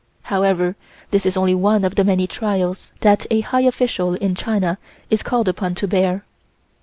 However, this is only one of the many trials that a high official in China is called upon to bear.